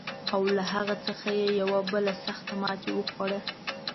او له هغه څخه یې یوه بله سخته ماته وخوړه.